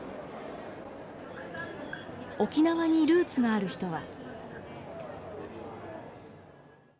沖縄にルーツのある人は。